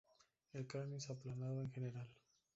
El cráneo es aplanado en general.